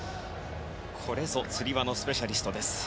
これぞつり輪のスペシャリストです。